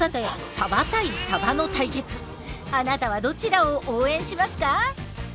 さてあなたはどちらを応援しますか？